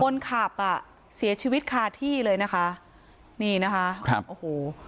คนขับอ่ะเสียชีวิตคาที่เลยนะคะนี่นะคะครับโอ้โห